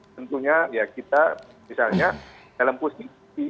tentunya ya kita misalnya dalam posisi